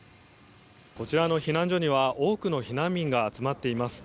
こちらの避難所には多くの避難民が集まっています。